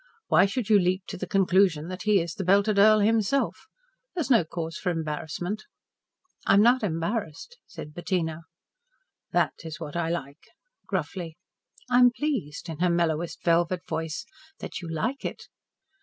Why should you leap to the conclusion that he is the belted Earl himself? There is no cause for embarrassment." "I am not embarrassed," said Bettina. "That is what I like," gruffly. "I am pleased," in her mellowest velvet voice, "that you like it."